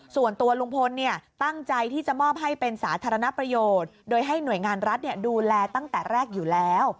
ส่วนตัวลุงพลตั้งใจที่จะมอบให้เป็นสาธารณประโยชน์โดยให้หน่วยงานรัฐดูแลตั้งแต่แรกอยู่แล้ว